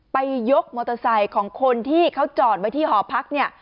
ยกมอเตอร์ไซค์ของคนที่เขาจอดไว้ที่หอพักเนี่ย